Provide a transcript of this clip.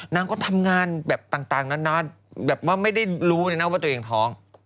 นางก็ทำงานแบบต่างนานแบบว่าไม่ได้รู้เลยนะว่าตัวเองท้อง